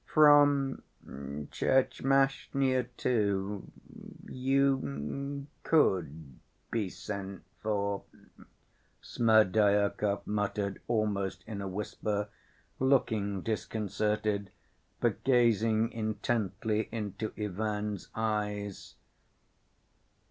"From Tchermashnya, too ... you could be sent for," Smerdyakov muttered, almost in a whisper, looking disconcerted, but gazing intently into Ivan's eyes.